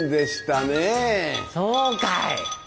そうかい。